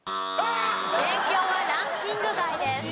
勉強はランキング外です。